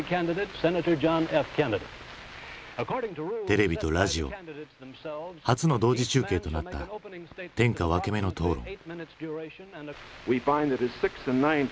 テレビとラジオ初の同時中継となった天下分け目の討論。